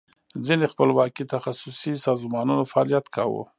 ځینې خپلواکي تخصصي سازمانونو فعالیت کاو.